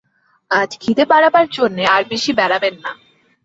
আজ খিদে বাড়াবার জন্যে আর বেশি বেড়াবেন না।